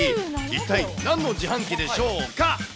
一体なんの自販機でしょうか？